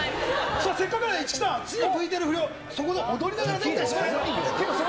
さあ、せっかくなので市來さん、次のＶＴＲ振りを、そこで踊りながらできたりしますか？